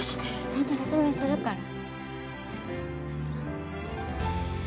ちゃんと説明するから。